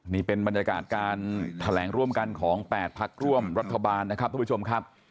นี่เป็นบรรยากาศการแถลงร่วมกันของ๘พักร่วมรัฐบาลนะครับทุกผู้ชมครับ